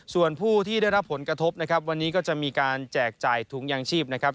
ส่วนผู้ที่ได้รับผลกระทบนะครับวันนี้ก็จะมีการแจกจ่ายถุงยางชีพนะครับ